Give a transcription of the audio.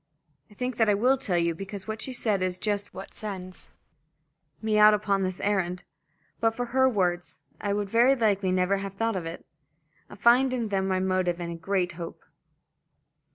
I think that I will tell you, because what she said is just what sends me out upon this errand. But for her words, I would very likely never have thought of it. I find in them my motive and a great hope.